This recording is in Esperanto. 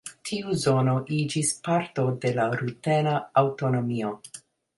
Tiu zono iĝis parto de la rutena aŭtonomio.